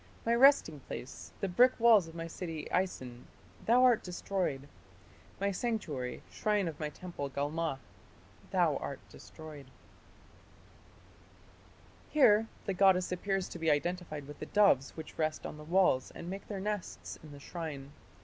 My resting place, the brick walls of my city Isin, thou art destroyed; My sanctuary, shrine of my temple Galmah, thou art destroyed. Langdon's translation. Here the goddess appears to be identified with the doves which rest on the walls and make their nests in the shrine.